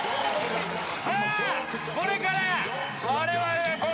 さあこれから。